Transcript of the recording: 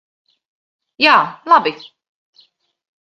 Jā, labi.